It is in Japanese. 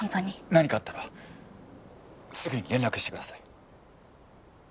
何かあったらすぐに連絡してください。